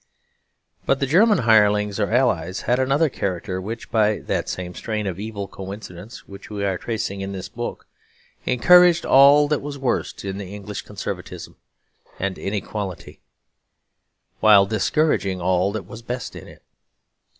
But the German hirelings or allies had another character which (by that same strain of evil coincidence which we are tracing in this book) encouraged all that was worst in the English conservatism and inequality, while discouraging all that was best in it.